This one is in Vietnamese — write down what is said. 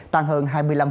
tăng hơn hai mươi năm